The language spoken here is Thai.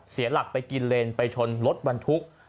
เสียหลักไปกินเลนไปชนรถบรรทุก